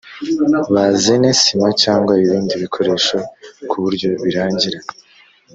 bazene sima cyangwa ibindi bikoresho ku buryo birangira